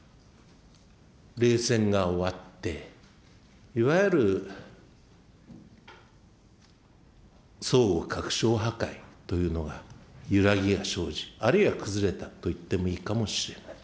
冷戦が終わって、いわゆるというのに揺らぎが生じ、あるいは崩れたといってもいいかもしれない。